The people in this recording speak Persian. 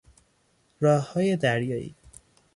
راههای دریایی